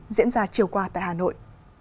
diễn ra chiều qua tại hà nội